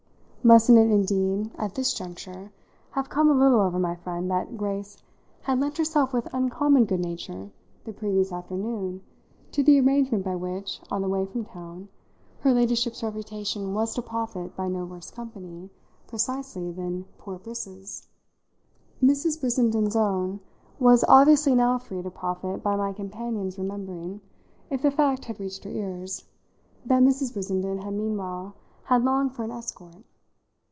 Mustn't it indeed at this juncture have come a little over my friend that Grace had lent herself with uncommon good nature, the previous afternoon, to the arrangement by which, on the way from town, her ladyship's reputation was to profit by no worse company, precisely, than poor Briss's? Mrs. Brissenden's own was obviously now free to profit by my companion's remembering if the fact had reached her ears that Mrs. Brissenden had meanwhile had Long for an escort.